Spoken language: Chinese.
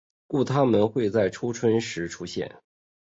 故它们会在初春时出现。